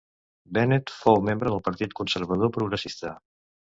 Bennett fou membre del Partit Conservador progressista.